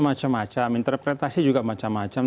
macam macam interpretasi juga macam macam